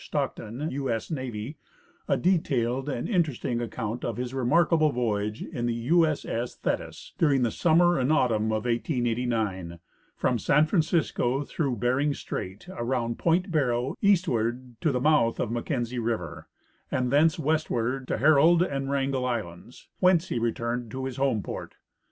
Stockton, U S N, a detailed and interesting account of his remarkable voyage in the U S S Thetis, during the summer and autumn of 1889, from San Francisco through Bering strait, around point Barrow, eastward to the mouth of Mackenzie river, and thence westward to Herald and Wrangell islands, whence he returned to his home port.